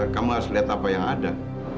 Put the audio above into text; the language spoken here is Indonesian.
kamu harus lihat apa yang ada